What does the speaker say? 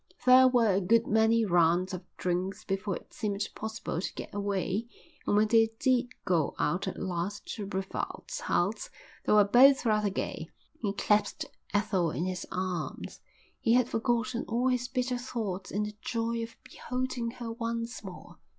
There were a good many rounds of drinks before it seemed possible to get away and when they did go out at last to Brevald's house they were both rather gay. He clasped Ethel in his arms. He had forgotten all his bitter thoughts in the joy of beholding her once more.